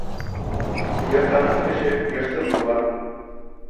Йыртанас кеше йырсы булған